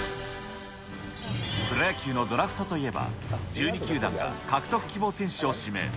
プロ野球のドラフトといえば、１２球団が獲得希望選手を指名。